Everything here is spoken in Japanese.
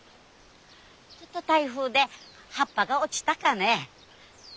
ちょっと台風で葉っぱが落ちたかね。